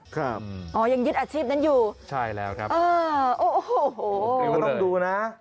ค่ะอ๋อยังยึดอาชีพนั้นอยู่อ๋อโอ้โหเท่าที่เราต้องดูนะ